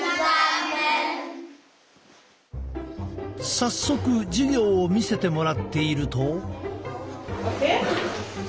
早速授業を見せてもらっていると。